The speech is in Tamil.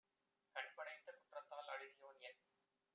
கண்படைத்த குற்றத்தால் அழகியோன்என்